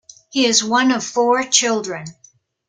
He is one of four children.